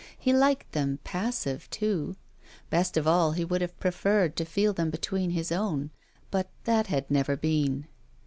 He liked them passive, too. Best of all, he would have preferred to feel them between his own, but that had never been.